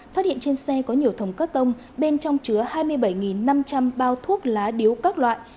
phát hiện trên xe có nhiều thồng cắt tông bên trong chứa hai mươi bảy năm trăm linh bao thuốc lá điếu các loại